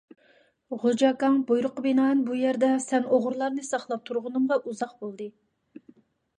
غوجا ئاكاڭ، بۇيرۇققا بىنائەن بۇ يەردە سەن ئوغرىلارنى ساقلاپ تۇرغىنىمغا ئۇزاق بولدى!